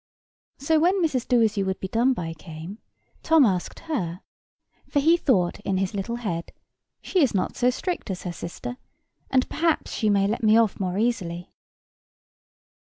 So when Mrs. Doasyouwouldbedoneby came, Tom asked her; for he thought in his little head, She is not so strict as her sister, and perhaps she may let me off more easily.